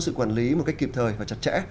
sự quản lý một cách kịp thời và chặt chẽ